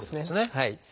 はい。